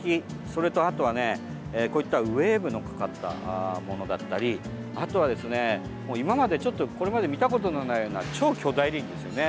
それと、あとはね、こういったウエーブのかかったものだったりあとはですね、今までちょっとこれまで見たことのないような超巨大輪ですよね。